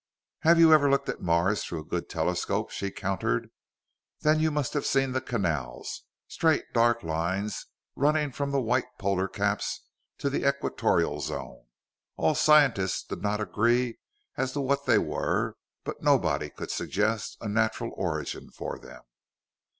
"Have you ever looked at Mars through a good telescope?" she countered. "Then you must have seen the canals straight dark lines running from the white polar caps to the equatorial zone. All scientists did not agree as to what they were, but nobody could suggest a natural origin for them.